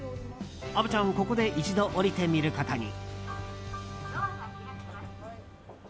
虻ちゃん、ここで一度降りてみることに。